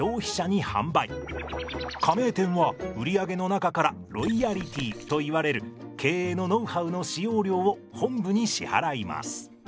加盟店は売り上げの中からロイヤリティといわれる経営のノウハウの使用料を本部に支払います。